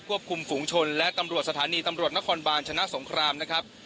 คุมฝุงชนและตำรวจสถานีตำรวจนครบาลชนะสงครามนะครับ